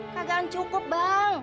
kagalan cukup bang